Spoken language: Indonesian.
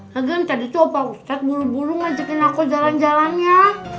lagian tadi tuh opa ustadz buru buru ngajakin aku jalan jalannya